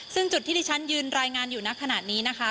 ซึ่งจุดที่ที่ฉันยืนรายงานอยู่ในขณะนี้นะคะ